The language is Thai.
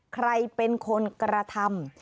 ใครเป็นคนกระทำ